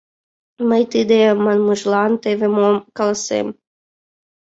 Мый тиде манмыжлан теве мом каласем.